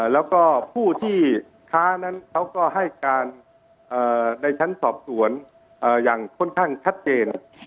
แล้วก็ผู้ที่ค้านั้นเขาก็ให้การในชั้นสอบสวนอย่างค่อนข้างชัดเจน